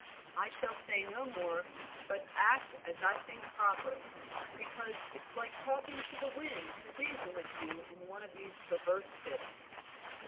I shall say no more, but act as I think proper, because it's like talking to the wind to reason with you in one of these perverse fits."